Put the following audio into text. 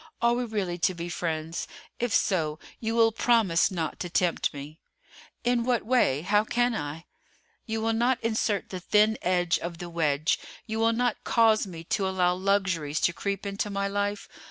Are we really to be friends? If so, you will promise not to tempt me." "In what way? How can I?" "You will not insert the thin end of the wedge; you will not cause me to allow luxuries to creep into my life?